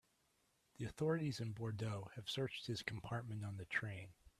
The authorities in Bordeaux have searched his compartment on the train.